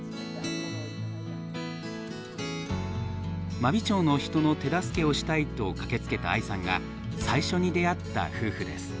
真備町の人の手助けをしたいと駆けつけた愛さんが最初に出会った夫婦です。